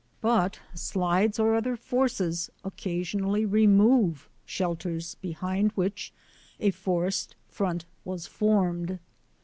But slides or other forces occasionally remove shelters behind which a forest front was formed.